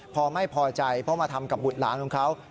พอไม่พอใจเพราะมาทำกับบุตรหลานของเขา